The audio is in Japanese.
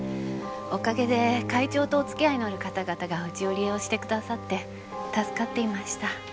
おかげで会長とお付き合いのある方々がうちを利用してくださって助かっていました。